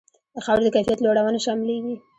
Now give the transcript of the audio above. د خاورې د کیفیت لوړونه شاملیږي.